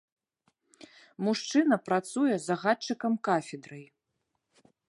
Мужчына працуе загадчыкам кафедрай.